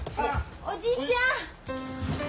おじいちゃん！